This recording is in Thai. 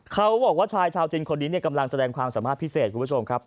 เขาบอกว่าชายชาวจีนคนนี้กำลังแสดงความสามารถพิเศษคุณผู้ชมครับ